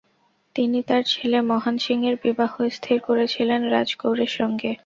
তিনি তাঁর ছেলে মহান সিংয়ের বিবাহ স্থির করেছিলেন রাজ কৌরের সঙ্গে।